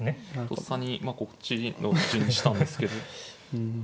とっさにこっちの順にしたんですけど。